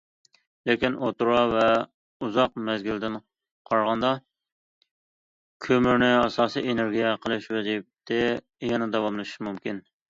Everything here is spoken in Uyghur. لېكىن ئوتتۇرا ۋە ئۇزاق مەزگىلدىن قارىغاندا، كۆمۈرنى ئاساسىي ئېنېرگىيە قىلىش ۋەزىيىتى يەنە داۋاملىشىشى مۇمكىن.